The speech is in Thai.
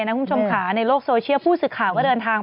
คุณผู้ชมค่ะในโลกโซเชียลผู้สื่อข่าวก็เดินทาง